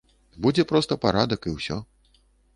Будзе проста парадак, і ўсё.